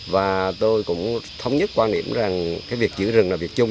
và tôi cũng thống nhất quan điểm rằng việc chữ rừng là việc chung